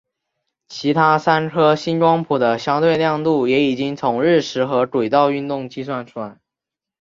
其他三颗星光谱的相对亮度也已经从日食和轨道运动计算出来。